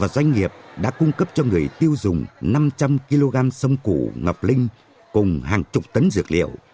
doanh nghiệp đã cung cấp cho người tiêu dùng năm trăm linh kg sâm củ ngọc linh cùng hàng chục tấn dược liệu